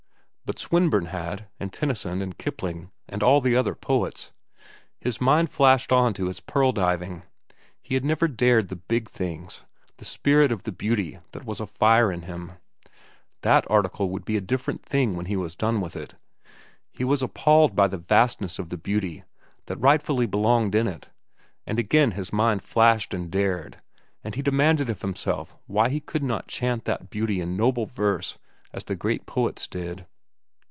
But Swinburne had, and Tennyson, and Kipling, and all the other poets. His mind flashed on to his "Pearl diving." He had never dared the big things, the spirit of the beauty that was a fire in him. That article would be a different thing when he was done with it. He was appalled by the vastness of the beauty that rightfully belonged in it, and again his mind flashed and dared, and he demanded of himself why he could not chant that beauty in noble verse as the great poets did.